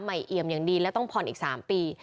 ใหม่เอียมอย่างดีแล้วต้องผ่อนอีก๓ปี